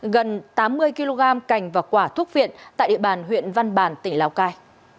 gần tám mươi kg cành và quả thuốc viện tại địa bàn huyện văn bàn tỉnh lào cai